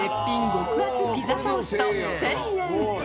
極厚ピザトースト、１０００円。